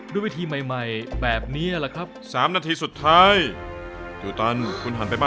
ด้วยวิธีใหม่แบบนี้แหละครับ